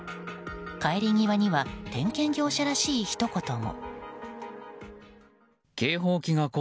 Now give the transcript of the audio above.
帰り際には点検業者らしい、ひと言も。